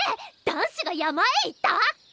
男子が山へ行った？